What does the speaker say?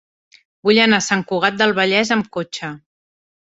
Vull anar a Sant Cugat del Vallès amb cotxe.